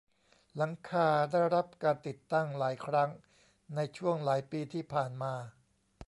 หลังคาได้รับการติดตั้งหลายครั้งในช่วงหลายปีที่ผ่านมา